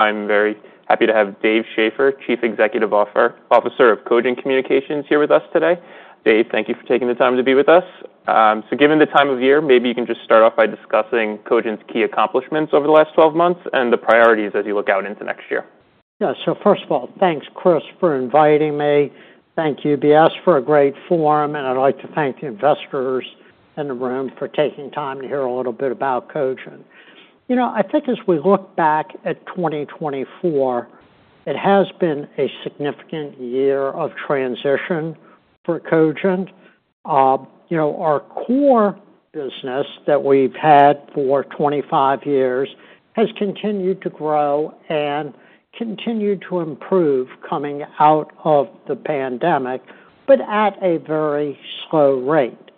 I'm very happy to have Dave Schaeffer, Chief Executive Officer of Cogent Communications, here with us today. Dave, thank you for taking the time to be with us. So given the time of year, maybe you can just start off by discussing Cogent's key accomplishments over the last 12 months and the priorities as you look out into next year. Yeah, so first of all, thanks, Chris, for inviting me. Thank you, UBS, for a great forum. And I'd like to thank the investors in the room for taking time to hear a little bit about Cogent. You know, I think as we look back at 2024, it has been a significant year of transition for Cogent. You know, our core business that we've had for 25 years has continued to grow and continued to improve coming out of the pandemic, but at a very slow rate.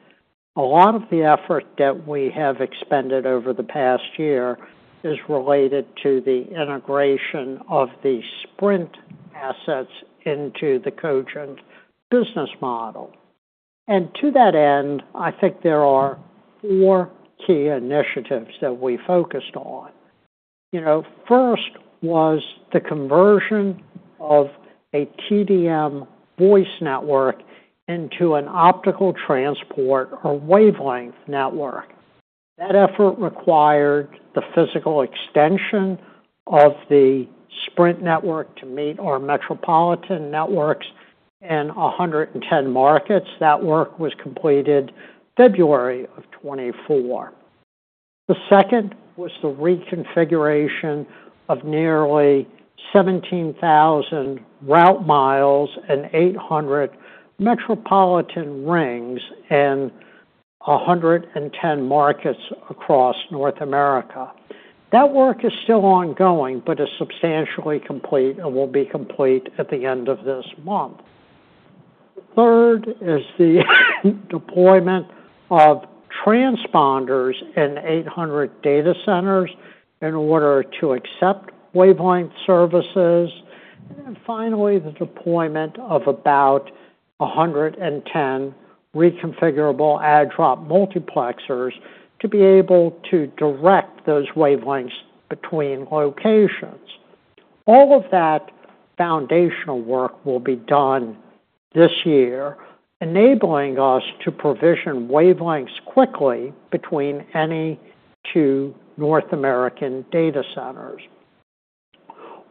A lot of the effort that we have expended over the past year is related to the integration of the Sprint assets into the Cogent business model. And to that end, I think there are four key initiatives that we focused on. You know, first was the conversion of a TDM voice network into an optical transport or wavelength network. That effort required the physical extension of the Sprint network to meet our metropolitan networks in 110 markets. That work was completed February of 2024. The second was the reconfiguration of nearly 17,000 route miles and 800 metropolitan rings in 110 markets across North America. That work is still ongoing, but is substantially complete and will be complete at the end of this month. Third is the deployment of transponders in 800 data centers in order to accept wavelength services. And then finally, the deployment of about 110 reconfigurable add/drop multiplexers to be able to direct those wavelengths between locations. All of that foundational work will be done this year, enabling us to provision wavelengths quickly between any two North American data centers.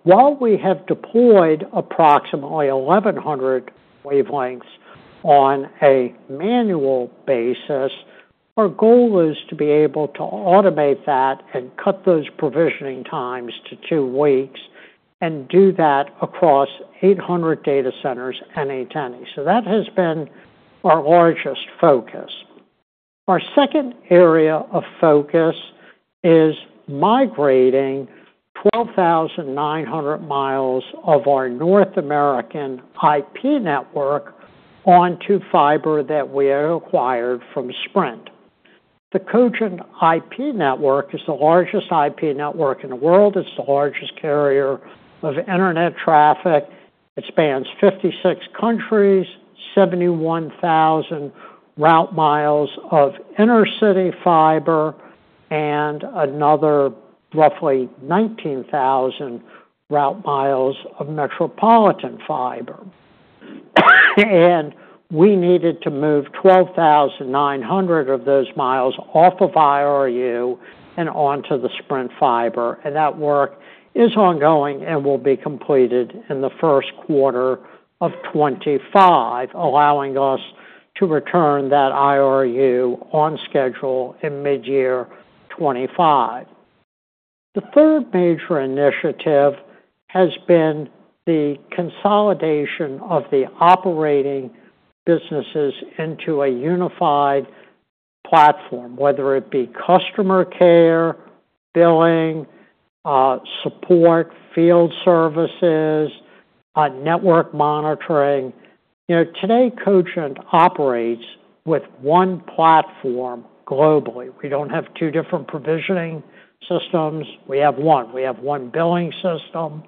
While we have deployed approximately 1,100 wavelengths on a manual basis, our goal is to be able to automate that and cut those provisioning times to two weeks and do that across 800 data centers and 80. That has been our largest focus. Our second area of focus is migrating 12,900 miles of our North American IP network onto fiber that we acquired from Sprint. The Cogent IP network is the largest IP network in the world. It's the largest carrier of internet traffic. It spans 56 countries, 71,000 route miles of intercity fiber, and another roughly 19,000 route miles of metropolitan fiber. We needed to move 12,900 of those miles off of IRU and onto the Sprint fiber. That work is ongoing and will be completed in the first quarter of 2025, allowing us to return that IRU on schedule in mid-year 2025. The third major initiative has been the consolidation of the operating businesses into a unified platform, whether it be customer care, billing, support, field services, network monitoring. You know, today Cogent operates with one platform globally. We don't have two different provisioning systems. We have one. We have one billing system,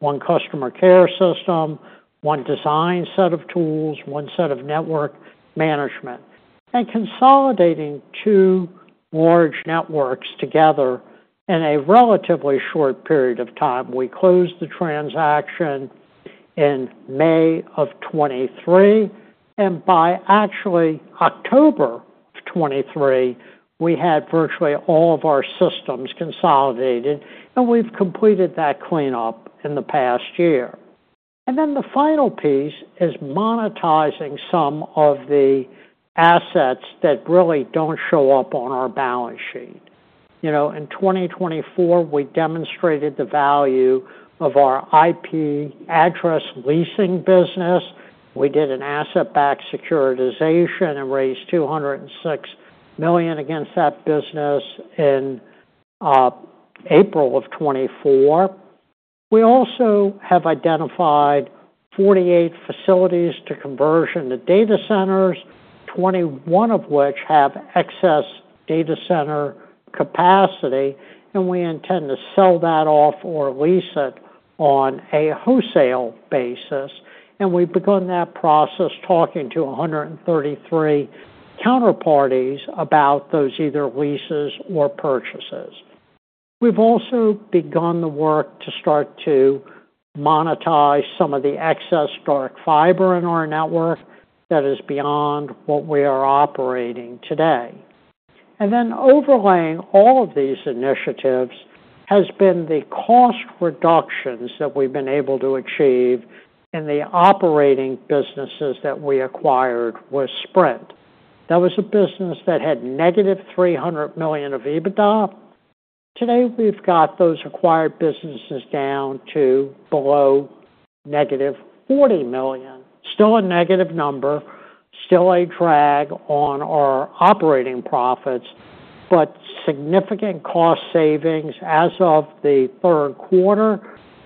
one customer care system, one design set of tools, one set of network management. And consolidating two large networks together in a relatively short period of time. We closed the transaction in May of 2023. And by, actually, October of 2023, we had virtually all of our systems consolidated. And we've completed that cleanup in the past year. And then the final piece is monetizing some of the assets that really don't show up on our balance sheet. You know, in 2024, we demonstrated the value of our IP address leasing business. We did an asset-backed securitization and raised $206 million against that business in April of 2024. We also have identified 48 facilities to conversion to data centers, 21 of which have excess data center capacity. And we intend to sell that off or lease it on a wholesale basis. And we've begun that process talking to 133 counterparties about those either leases or purchases. We've also begun the work to start to monetize some of the excess dark fiber in our network that is beyond what we are operating today. And then overlaying all of these initiatives has been the cost reductions that we've been able to achieve in the operating businesses that we acquired with Sprint. That was a business that had -$300 million of EBITDA. Today we've got those acquired businesses down to below -$40 million. Still a negative number, still a drag on our operating profits, but significant cost savings. As of the third quarter,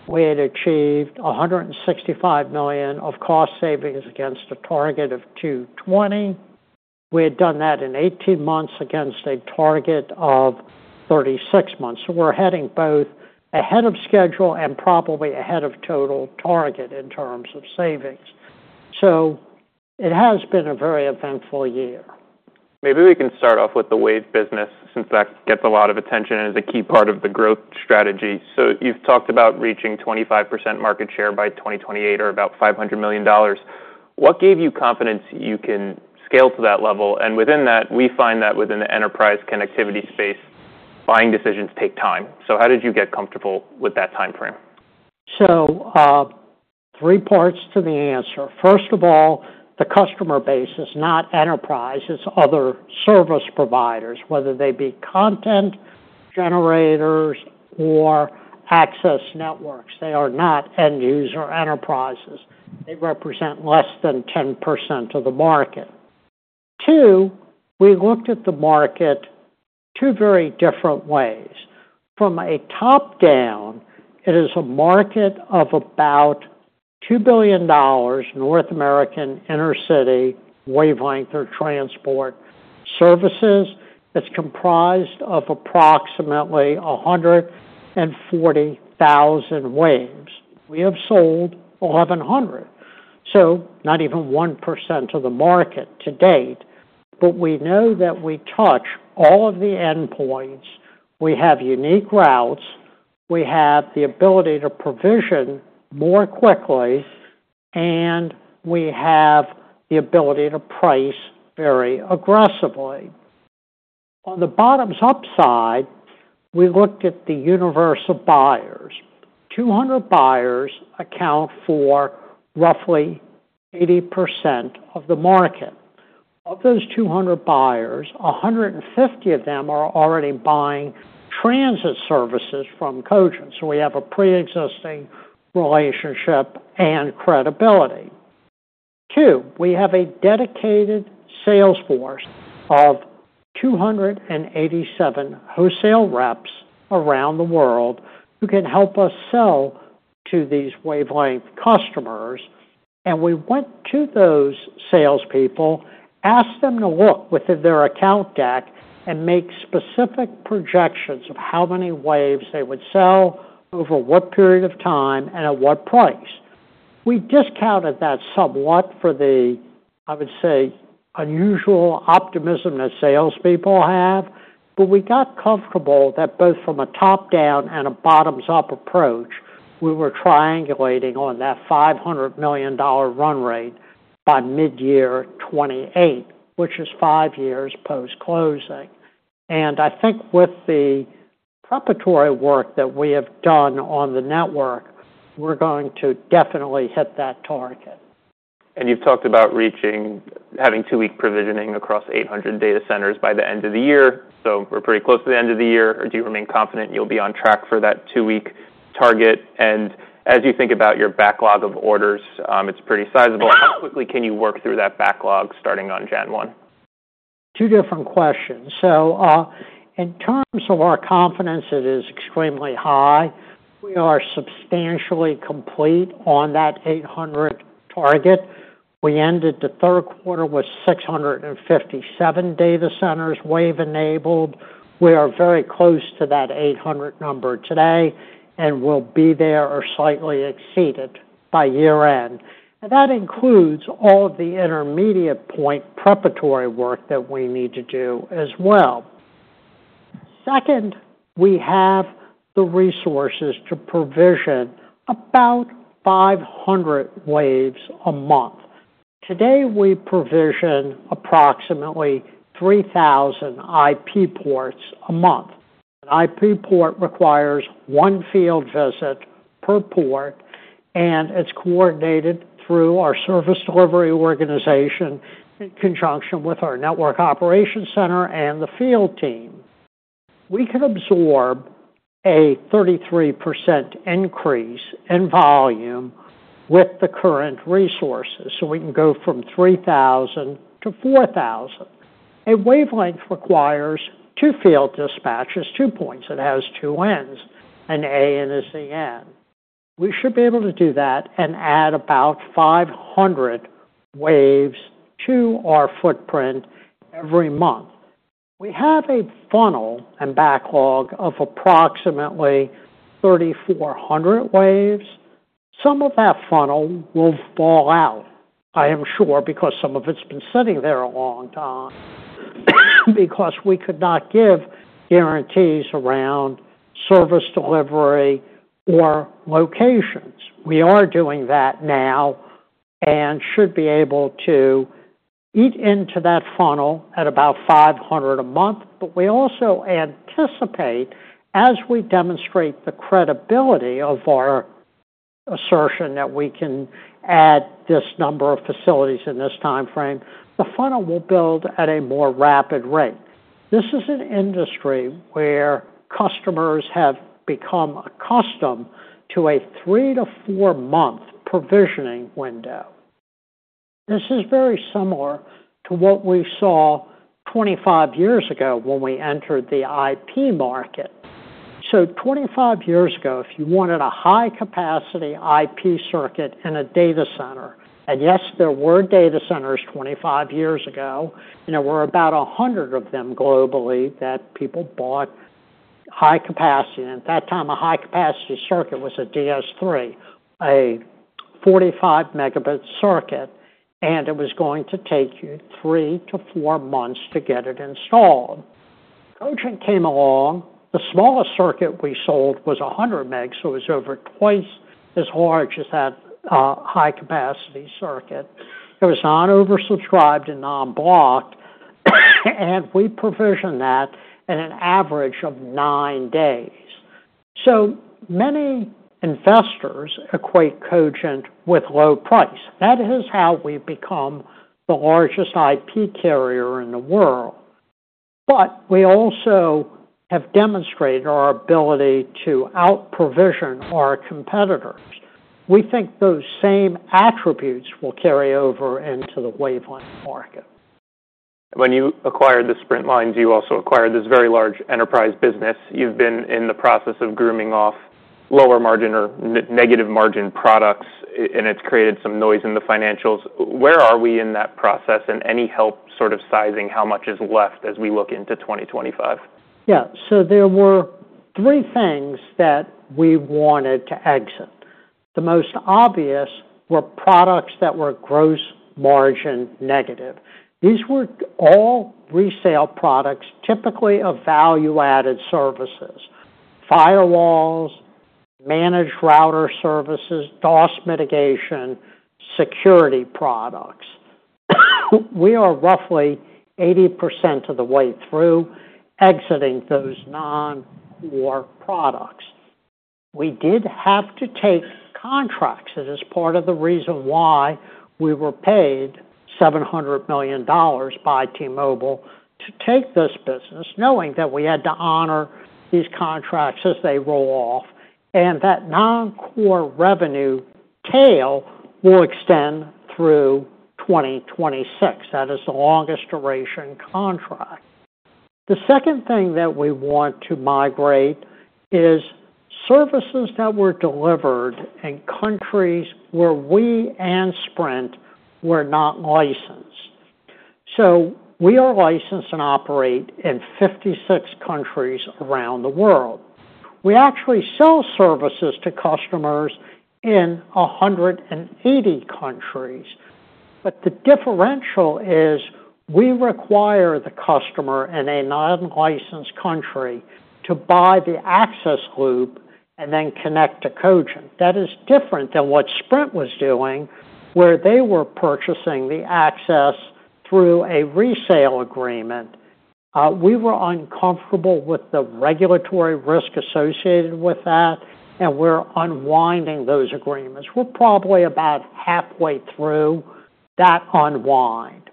we had achieved $165 million of cost savings against a target of $220 million. We had done that in 18 months against a target of 36 months. So we're heading both ahead of schedule and probably ahead of total target in terms of savings. So it has been a very eventful year. Maybe we can start off with the Wave business since that gets a lot of attention and is a key part of the growth strategy. So you've talked about reaching 25% market share by 2028 or about $500 million. What gave you confidence you can scale to that level? And within that, we find that within the enterprise connectivity space, buying decisions take time. So how did you get comfortable with that timeframe? So three parts to the answer. First of all, the customer base is not enterprise. It's other service providers, whether they be content generators or access networks. They are not end-user enterprises. They represent less than 10% of the market. Two, we looked at the market two very different ways. From a top-down, it is a market of about $2 billion North American intercity wavelength or transport services. It's comprised of approximately 140,000 waves. We have sold 1,100. So not even 1% of the market to date. But we know that we touch all of the endpoints. We have unique routes. We have the ability to provision more quickly. And we have the ability to price very aggressively. On the bottoms-up side, we looked at the usual buyers. 200 buyers account for roughly 80% of the market. Of those 200 buyers, 150 of them are already buying transit services from Cogent. So we have a pre-existing relationship and credibility. Two, we have a dedicated sales force of 287 wholesale reps around the world who can help us sell to these wavelength customers. And we went to those salespeople, asked them to look within their account deck and make specific projections of how many waves they would sell, over what period of time, and at what price. We discounted that somewhat for the, I would say, unusual optimism that salespeople have. But we got comfortable that both from a top-down and a bottoms-up approach, we were triangulating on that $500 million run rate by mid-year 2028, which is five years post-closing. And I think with the preparatory work that we have done on the network, we're going to definitely hit that target. You've talked about reaching, having two-week provisioning across 800 data centers by the end of the year. We're pretty close to the end of the year. Do you remain confident you'll be on track for that two-week target? As you think about your backlog of orders, it's pretty sizable. How quickly can you work through that backlog starting on January 1? Two different questions. So in terms of our confidence, it is extremely high. We are substantially complete on that 800 target. We ended the third quarter with 657 data centers wave-enabled. We are very close to that 800 number today and will be there or slightly exceed it by year-end. And that includes all of the intermediate point preparatory work that we need to do as well. Second, we have the resources to provision about 500 waves a month. Today we provision approximately 3,000 IP ports a month. An IP port requires one field visit per port, and it's coordinated through our service delivery organization in conjunction with our network operations center and the field team. We can absorb a 33% increase in volume with the current resources. So we can go from 3,000 to 4,000. A wavelength requires two field dispatches, two points. It has two ends. An A-end and a Z-end. We should be able to do that and add about 500 waves to our footprint every month. We have a funnel and backlog of approximately 3,400 waves. Some of that funnel will fall out, I am sure, because some of it's been sitting there a long time because we could not give guarantees around service delivery or locations. We are doing that now and should be able to eat into that funnel at about 500 a month. But we also anticipate, as we demonstrate the credibility of our assertion that we can add this number of facilities in this timeframe, the funnel will build at a more rapid rate. This is an industry where customers have become accustomed to a three to four-month provisioning window. This is very similar to what we saw 25 years ago when we entered the IP market. So 25 years ago, if you wanted a high-capacity IP circuit in a data center, and yes, there were data centers 25 years ago, and there were about 100 of them globally that people bought high-capacity. And at that time, a high-capacity circuit was a DS3, a 45-megabit circuit, and it was going to take you three to four months to get it installed. Cogent came along. The smallest circuit we sold was 100 megs, so it was over twice as large as that high-capacity circuit. It was non-oversubscribed and non-blocked. And we provisioned that in an average of nine days. So many investors equate Cogent with low price. That is how we've become the largest IP carrier in the world. But we also have demonstrated our ability to out-provision our competitors. We think those same attributes will carry over into the wavelength market. When you acquired the Sprint line, you also acquired this very large enterprise business. You've been in the process of grooming off lower margin or negative margin products, and it's created some noise in the financials. Where are we in that process? And any help sort of sizing how much is left as we look into 2025? Yeah. So there were three things that we wanted to exit. The most obvious were products that were gross margin negative. These were all resale products, typically of value-added services: firewalls, managed router services, DDoS mitigation, security products. We are roughly 80% of the way through exiting those non-core products. We did have to take contracts. It is part of the reason why we were paid $700 million by T-Mobile to take this business, knowing that we had to honor these contracts as they roll off and that non-core revenue tail will extend through 2026. That is the longest duration contract. The second thing that we want to migrate is services that were delivered in countries where we and Sprint were not licensed. So we are licensed and operate in 56 countries around the world. We actually sell services to customers in 180 countries. But the differential is we require the customer in a non-licensed country to buy the access loop and then connect to Cogent. That is different than what Sprint was doing, where they were purchasing the access through a resale agreement. We were uncomfortable with the regulatory risk associated with that, and we're unwinding those agreements. We're probably about halfway through that unwind.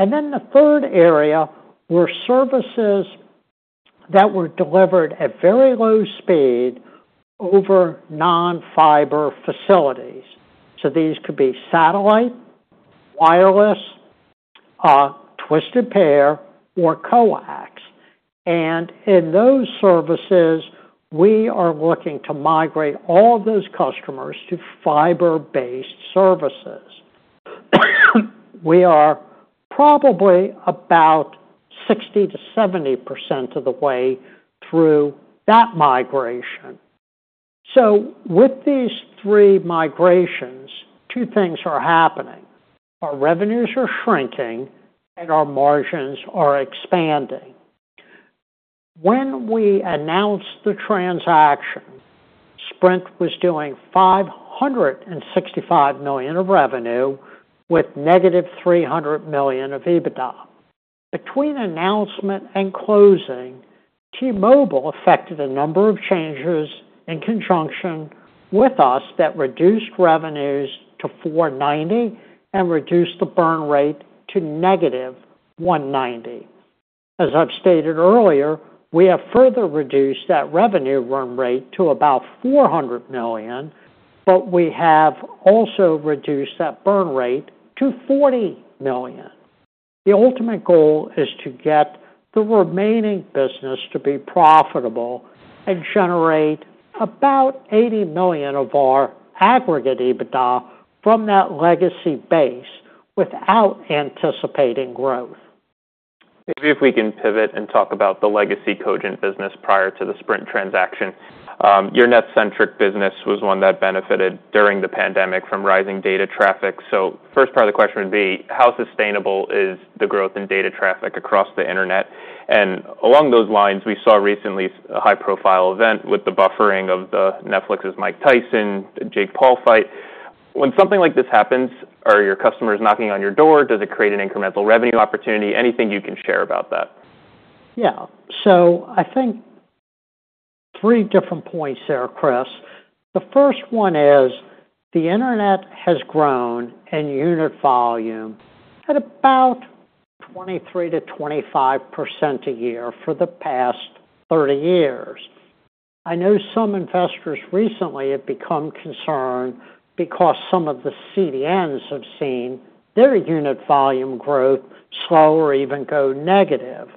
And then the third area were services that were delivered at very low speed over non-fiber facilities. So these could be satellite, wireless, twisted pair, or coax. And in those services, we are looking to migrate all those customers to fiber-based services. We are probably about 60%-70% of the way through that migration. So with these three migrations, two things are happening. Our revenues are shrinking and our margins are expanding. When we announced the transaction, Sprint was doing $565 million of revenue with -$300 million of EBITDA. Between announcement and closing, T-Mobile affected a number of changes in conjunction with us that reduced revenues to $490 million and reduced the burn rate to -$190 million. As I've stated earlier, we have further reduced that revenue burn rate to about $400 million, but we have also reduced that burn rate to $40 million. The ultimate goal is to get the remaining business to be profitable and generate about $80 million of our aggregate EBITDA from that legacy base without anticipating growth. Maybe if we can pivot and talk about the legacy Cogent business prior to the Sprint transaction. Your NetCentric business was one that benefited during the pandemic from rising data traffic. So first part of the question would be, how sustainable is the growth in data traffic across the internet? And along those lines, we saw recently a high-profile event with the buffering of the Netflix's Mike Tyson-Jake Paul fight. When something like this happens, are your customers knocking on your door? Does it create an incremental revenue opportunity? Anything you can share about that? Yeah. So I think three different points, so Chris. The first one is the internet has grown in unit volume at about 23%-25% a year for the past 30 years. I know some investors recently have become concerned because some of the CDNs have seen their unit volume growth slow or even go negative.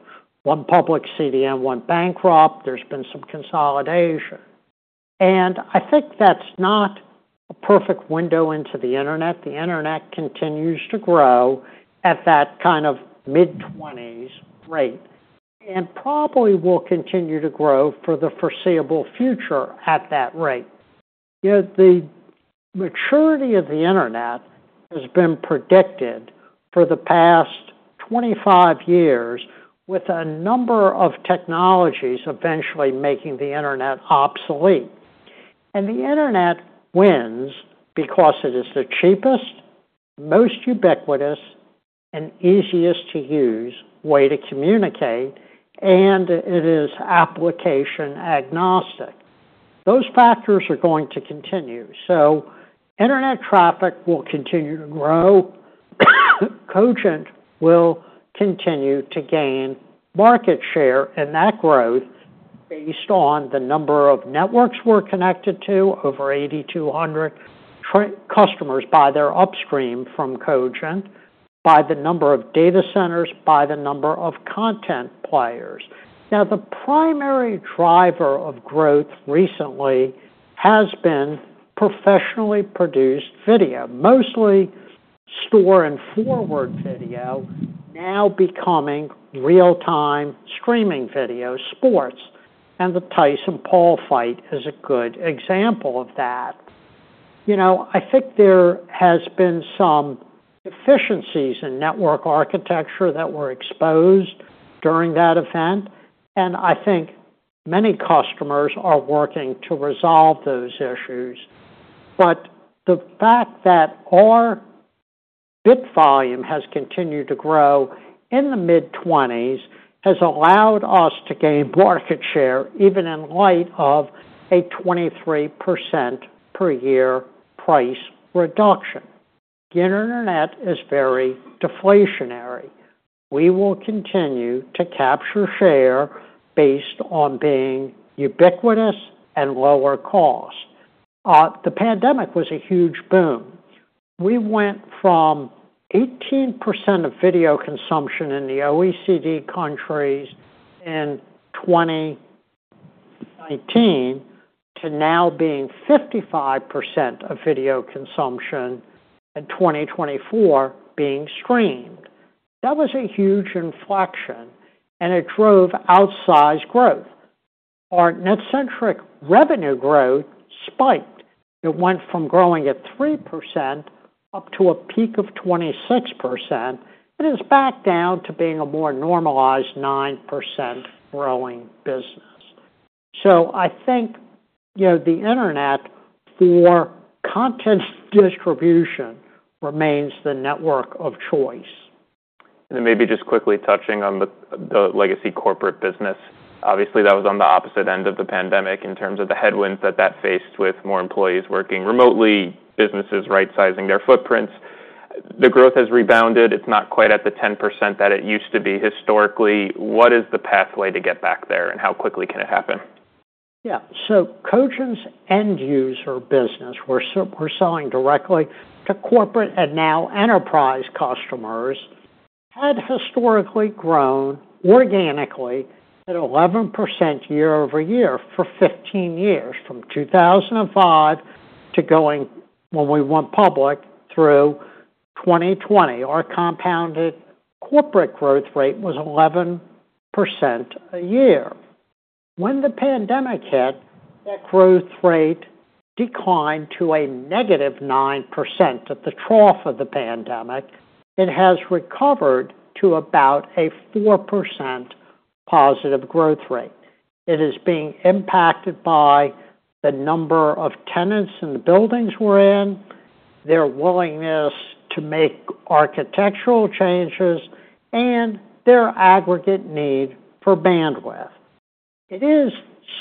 One public CDN went bankrupt. There's been some consolidation. And I think that's not a perfect window into the internet. The internet continues to grow at that kind of mid-20s rate and probably will continue to grow for the foreseeable future at that rate. The maturity of the internet has been predicted for the past 25 years with a number of technologies eventually making the internet obsolete. And the internet wins because it is the cheapest, most ubiquitous, and easiest-to-use way to communicate, and it is application agnostic. Those factors are going to continue. Internet traffic will continue to grow. Cogent will continue to gain market share in that growth based on the number of networks we're connected to, over 8,200 customers by their upstream from Cogent, by the number of data centers, by the number of content players. Now, the primary driver of growth recently has been professionally produced video, mostly store-and-forward video, now becoming real-time streaming video, sports. The Tyson-Paul fight is a good example of that. You know, I think there has been some deficiencies in network architecture that were exposed during that event. I think many customers are working to resolve those issues. The fact that our bit volume has continued to grow in the mid-20s has allowed us to gain market share even in light of a 23% per year price reduction. The internet is very deflationary. We will continue to capture share based on being ubiquitous and lower cost. The pandemic was a huge boom. We went from 18% of video consumption in the OECD countries in 2019 to now being 55% of video consumption and 2024 being streamed. That was a huge inflection, and it drove outsized growth. Our NetCentric revenue growth spiked. It went from growing at 3% up to a peak of 26% and is back down to being a more normalized 9% growing business. So I think, you know, the internet for content distribution remains the network of choice. And then maybe just quickly touching on the legacy corporate business. Obviously, that was on the opposite end of the pandemic in terms of the headwinds that that faced with more employees working remotely, businesses right-sizing their footprints. The growth has rebounded. It's not quite at the 10% that it used to be historically. What is the pathway to get back there, and how quickly can it happen? Yeah. So Cogent's end-user business, we're selling directly to corporate and now enterprise customers, had historically grown organically at 11% year over year for 15 years, from 2005 to going when we went public through 2020. Our compounded corporate growth rate was 11% a year. When the pandemic hit, that growth rate declined to a -9% at the trough of the pandemic. It has recovered to about a 4% positive growth rate. It is being impacted by the number of tenants in the buildings we're in, their willingness to make architectural changes, and their aggregate need for bandwidth. It is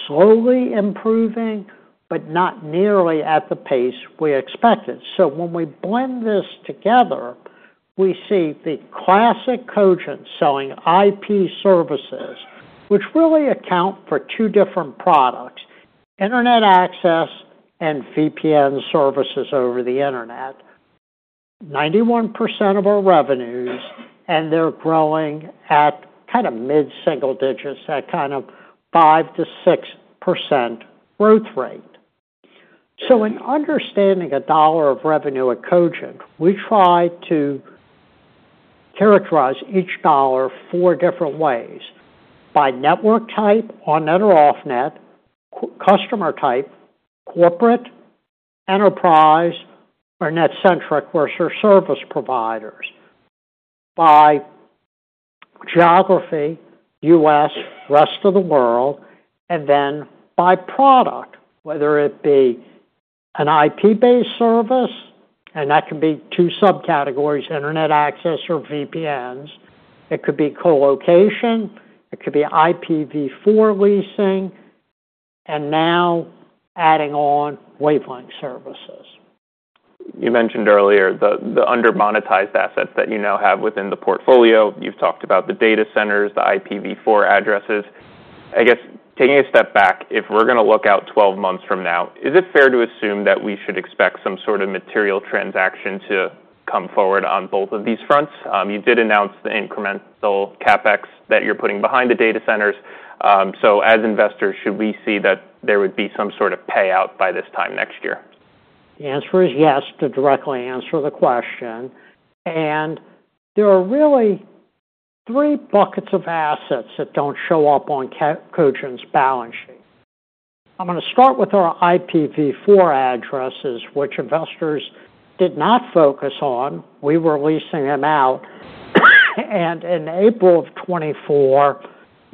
slowly improving, but not nearly at the pace we expected. So when we blend this together, we see the classic Cogent selling IP services, which really account for two different products: internet access and VPN services over the internet. 91% of our revenues, and they're growing at kind of mid-single digits, at kind of 5%-6% growth rate, so in understanding a dollar of revenue at Cogent, we try to characterize each dollar four different ways: by network type, on-net or off-net, customer type, corporate, enterprise, or NetCentric versus service providers, by geography, U.S., rest of the world, and then by product, whether it be an IP-based service, and that can be two subcategories: internet access or VPNs. It could be colocation. It could be IPv4 leasing, and now adding on wavelength services. You mentioned earlier the undermonetized assets that you now have within the portfolio. You've talked about the data centers, the IPv4 addresses. I guess taking a step back, if we're going to look out 12 months from now, is it fair to assume that we should expect some sort of material transaction to come forward on both of these fronts? You did announce the incremental CapEx that you're putting behind the data centers. So as investors, should we see that there would be some sort of payout by this time next year? The answer is yes to directly answer the question, and there are really three buckets of assets that don't show up on Cogent's balance sheet. I'm going to start with our IPv4 addresses, which investors did not focus on. We were leasing them out, and in April of 2024,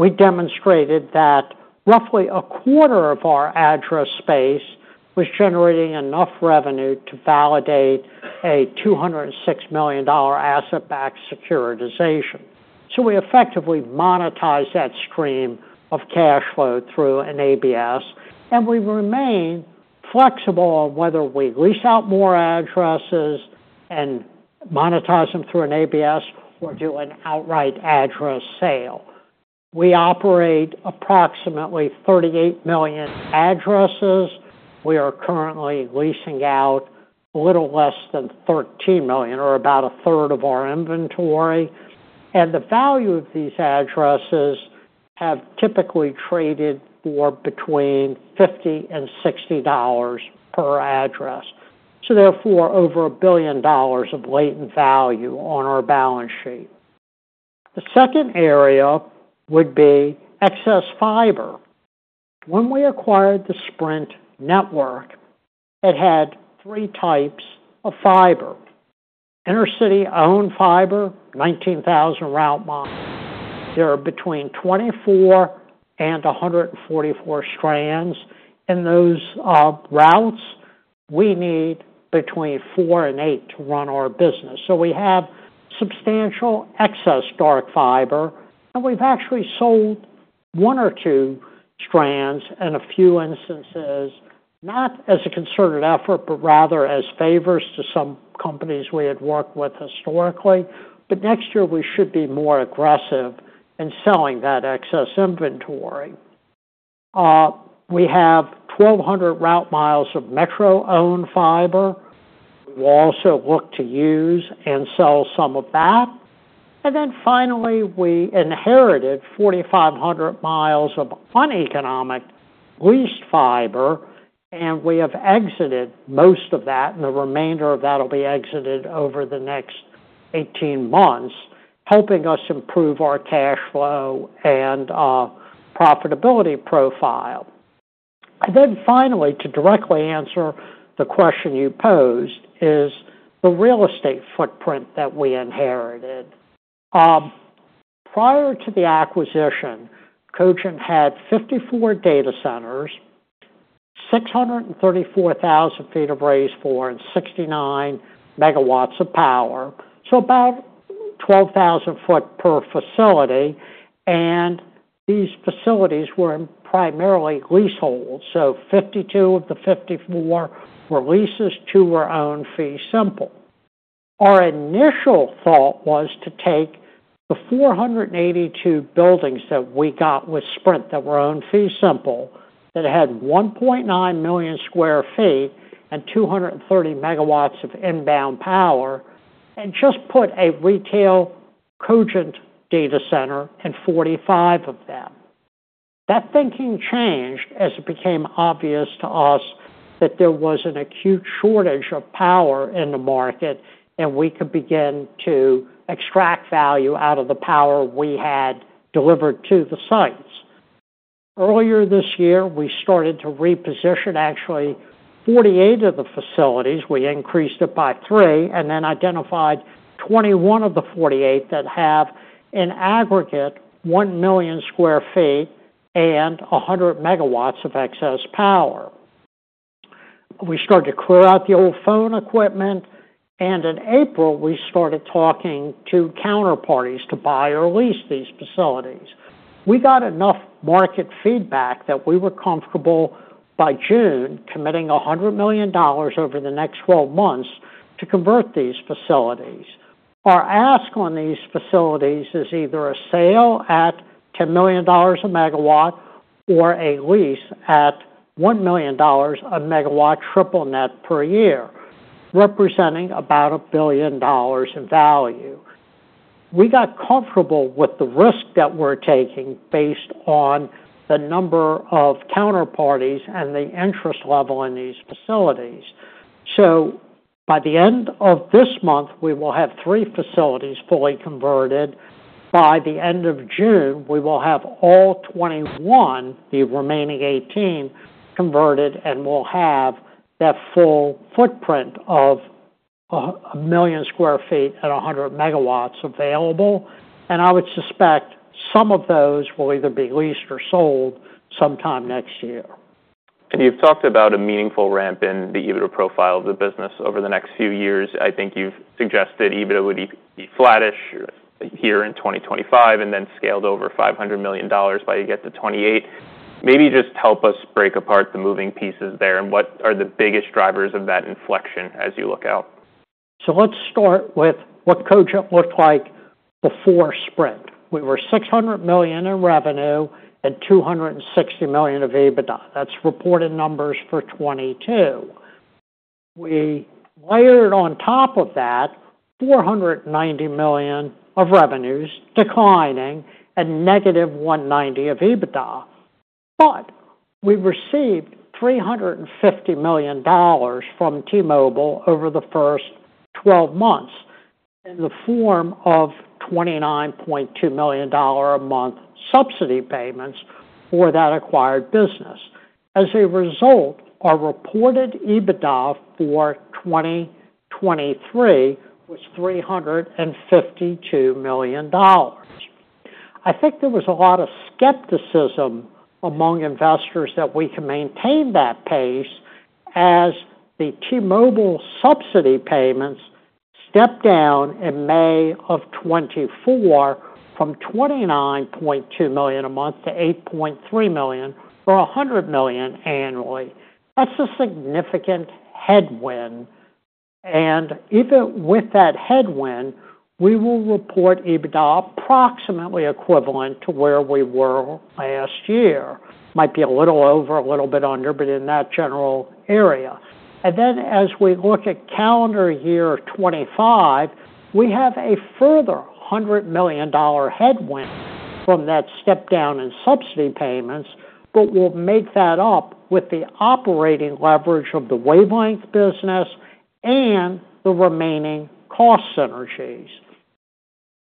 we demonstrated that roughly a quarter of our address space was generating enough revenue to validate a $206 million asset-backed securitization, so we effectively monetized that stream of cash flow through an ABS, and we remain flexible on whether we lease out more addresses and monetize them through an ABS or do an outright address sale. We operate approximately 38 million addresses. We are currently leasing out a little less than 13 million or about a third of our inventory, and the value of these addresses have typically traded for between $50 and $60 per address. Therefore, over $1 billion of latent value on our balance sheet. The second area would be excess fiber. When we acquired the Sprint network, it had three types of fiber: intercity-owned fiber, 19,000 route miles. There are between 24 and 144 strands. In those routes, we need between four and eight to run our business. So we have substantial excess dark fiber, and we've actually sold one or two strands in a few instances, not as a concerted effort, but rather as favors to some companies we had worked with historically. But next year, we should be more aggressive in selling that excess inventory. We have 1,200 route miles of metro-owned fiber. We'll also look to use and sell some of that. And then finally, we inherited 4,500 miles of uneconomic leased fiber, and we have exited most of that, and the remainder of that will be exited over the next 18 months, helping us improve our cash flow and profitability profile. And then finally, to directly answer the question you posed, is the real estate footprint that we inherited. Prior to the acquisition, Cogent had 54 data centers, 634,000 ft of raised floor, and 69 MW of power. So about 12,000 ft per facility. And these facilities were primarily leaseholds. So 52 of the 54 were leases, two were owned fee simple. Our initial thought was to take the 482 buildings that we got with Sprint that were owned fee simple, that had 1.9 million sq ft and 230 MW of inbound power, and just put a retail Cogent data center in 45 of them. That thinking changed as it became obvious to us that there was an acute shortage of power in the market, and we could begin to extract value out of the power we had delivered to the sites. Earlier this year, we started to reposition actually 48 of the facilities. We increased it by three, and then identified 21 of the 48 that have in aggregate 1 million sq ft and 100 MW of excess power. We started to clear out the old phone equipment, and in April, we started talking to counterparties to buy or lease these facilities. We got enough market feedback that we were comfortable by June committing $100 million over the next 12 months to convert these facilities. Our ask on these facilities is either a sale at $10 million a MW or a lease at $1 million a MW triple net per year, representing about $1 billion in value. We got comfortable with the risk that we're taking based on the number of counterparties and the interest level in these facilities. So by the end of this month, we will have three facilities fully converted. By the end of June, we will have all 21, the remaining 18, converted and will have that full footprint of 1 million sq ft and 100 MW available. And I would suspect some of those will either be leased or sold sometime next year. You've talked about a meaningful ramp in the EBITDA profile of the business over the next few years. I think you've suggested EBITDA would be flattish here in 2025 and then scaled over $500 million by you get to 2028. Maybe just help us break apart the moving pieces there and what are the biggest drivers of that inflection as you look out? So let's start with what Cogent looked like before Sprint. We were $600 million in revenue and $260 million of EBITDA. That's reported numbers for 2022. We layered on top of that $490 million of revenues declining and negative $190 million of EBITDA. But we received $350 million from T-Mobile over the first 12 months in the form of $29.2 million a month subsidy payments for that acquired business. As a result, our reported EBITDA for 2023 was $352 million. I think there was a lot of skepticism among investors that we could maintain that pace as the T-Mobile subsidy payments stepped down in May of 2024 from $29.2 million a month to $8.3 million or $100 million annually. That's a significant headwind. And even with that headwind, we will report EBITDA approximately equivalent to where we were last year. Might be a little over, a little bit under, but in that general area. And then as we look at calendar year 2025, we have a further $100 million headwind from that step down in subsidy payments, but we'll make that up with the operating leverage of the wavelength business and the remaining cost synergies.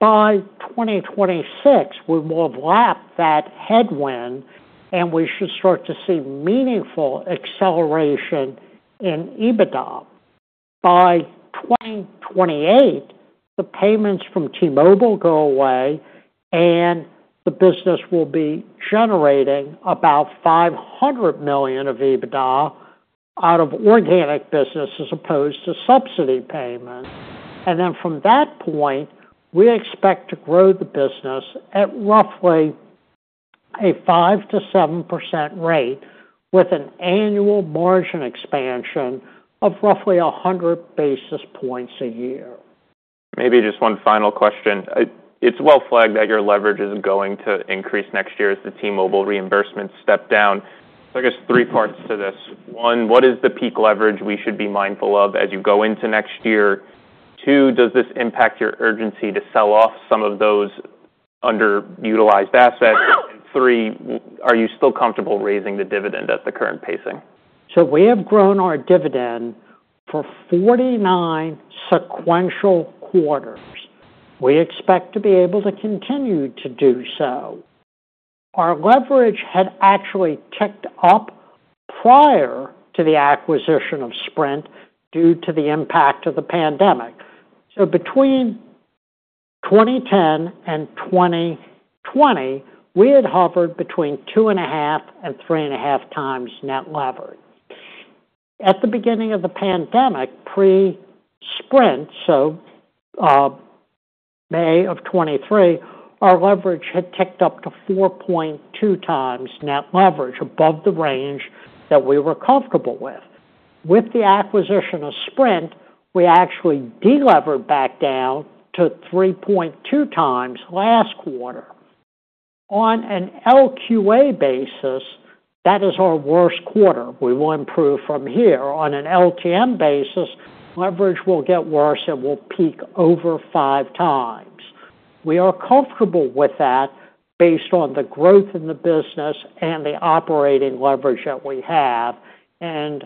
By 2026, we will have lapped that headwind, and we should start to see meaningful acceleration in EBITDA. By 2028, the payments from T-Mobile go away, and the business will be generating about $500 million of EBITDA out of organic business as opposed to subsidy payments. And then from that point, we expect to grow the business at roughly a 5%-7% rate with an annual margin expansion of roughly 100 basis points a year. Maybe just one final question. It's well flagged that your leverage is going to increase next year as the T-Mobile reimbursements step down. So I guess three parts to this. One, what is the peak leverage we should be mindful of as you go into next year? Two, does this impact your urgency to sell off some of those underutilized assets? And three, are you still comfortable raising the dividend at the current pacing? We have grown our dividend for 49 sequential quarters. We expect to be able to continue to do so. Our leverage had actually ticked up prior to the acquisition of Sprint due to the impact of the pandemic. So between 2010 and 2020, we had hovered between two and a half and three and a half times net leverage. At the beginning of the pandemic, pre-Sprint, so May of 2023, our leverage had ticked up to 4.2 times net leverage, above the range that we were comfortable with. With the acquisition of Sprint, we actually delevered back down to 3.2 times last quarter. On an LQA basis, that is our worst quarter. We will improve from here. On an LTM basis, leverage will get worse and will peak over five times. We are comfortable with that based on the growth in the business and the operating leverage that we have. And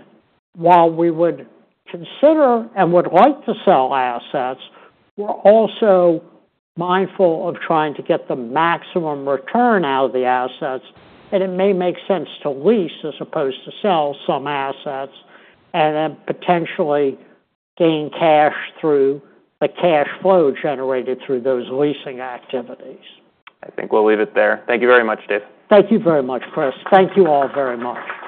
while we would consider and would like to sell assets, we're also mindful of trying to get the maximum return out of the assets. And it may make sense to lease as opposed to sell some assets and then potentially gain cash through the cash flow generated through those leasing activities. I think we'll leave it there. Thank you very much, Dave. Thank you very much, Chris. Thank you all very much.